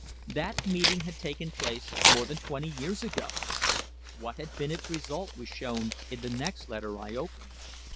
That meeting had taken place more than twenty years ago. What had been its result was shown in the next letter I opened.